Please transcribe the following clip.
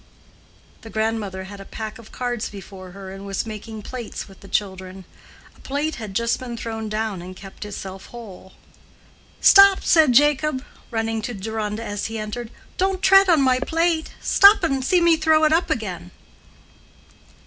The grandmother had a pack of cards before her and was making "plates" with the children. A plate had just been thrown down and kept itself whole. "Stop!" said Jacob, running to Deronda as he entered. "Don't tread on my plate. Stop and see me throw it up again."